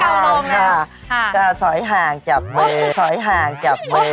ห่างค่ะก็ถอยห่างจับมือถอยห่างจับมือ